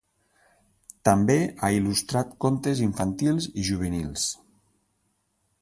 També ha il·lustrat contes infantils i juvenils.